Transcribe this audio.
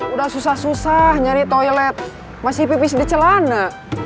udah susah susah nyari toilet masih pipis di celana